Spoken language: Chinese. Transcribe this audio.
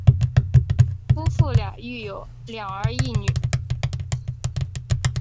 夫妇俩育有两儿一女。